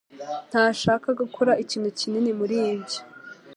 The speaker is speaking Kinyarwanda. ntashaka gukora ikintu kinini muri byo.